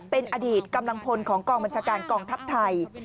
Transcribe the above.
เป็นอดีตกำลังพลของกองบัญชาการกองทัพไทย